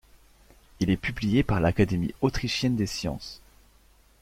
Il est publié par l'Académie autrichienne des sciences.